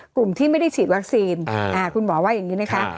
กลุ่มที่ไม่ได้ฉีดวัคซีนคุณหมอว่าอย่างนี้นะคะ